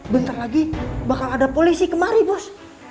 bentar lagi bakal ada polisi kemari bos